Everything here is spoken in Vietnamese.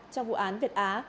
trong vụ án việt á